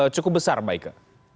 cukup besar mbak ike